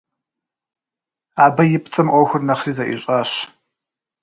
Абы и пцӏым ӏуэхур нэхъри зэӏищӏащ.